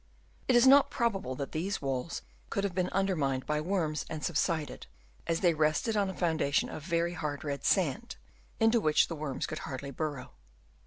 It is not probable that these walls could have been undermined by worms and subsided, as they rested on a foundation of very hard red sand, into which worms could hardly burrow.